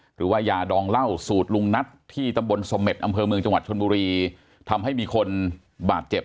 หรือว่ายาดองเหล้าสูตรลุงนัทที่ตำบลสเม็ดอำเภอเมืองจังหวัดชนบุรีทำให้มีคนบาดเจ็บ